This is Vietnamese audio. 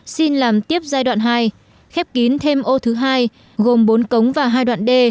xin làm tiếp giai đoạn hai khép kín thêm ô thứ hai gồm bốn cống và hai đoạn đê